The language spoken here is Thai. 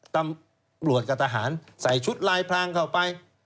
ตำรวจกับทหารใส่ชุดลายพรางเข้าไป